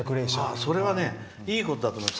それは、いいことだと思います。